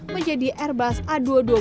menjadi airbus a dua ratus dua puluh tiga ratus